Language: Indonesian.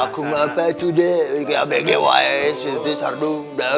aku mah tadi sudah kayak bgws itu sardung dan aku